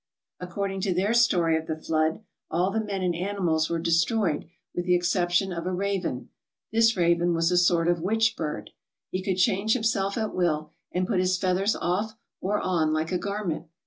According to their story of the flood, all the men and animals were destroyed with the exception of a raven. This raven was a sort of witch bird. He could change himself at will and put his feathers off or on like a garment.